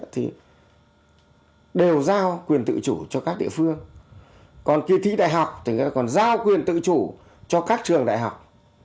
thì đều giao quyền tự chủ cho các địa phương còn kỳ thi đại học thì người ta còn giao quyền tự chủ cho các trường đại học